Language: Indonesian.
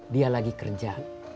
dia lagi kerja